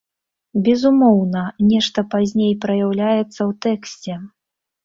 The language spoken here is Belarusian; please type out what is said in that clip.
Безумоўна, нешта пазней праяўляецца ў тэксце.